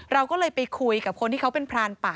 เราก็เลยไปคุยกับคนที่เขาเป็นพรานป่า